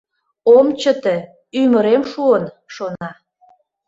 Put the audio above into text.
Ом чыте... ӱмырем шуын», — шона.